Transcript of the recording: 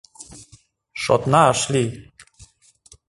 Шотна ыш лий.